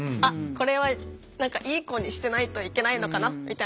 これは何かいい子にしてないといけないのかなみたいな。